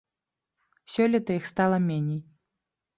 Сёлета іх стала меней.